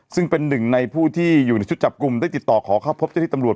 ซึ่งเป็นหนึ่งในผู้ที่อยู่ในชุดจับกลุ่มได้ติดต่อขอเข้าพบเจ้าที่ตำรวจ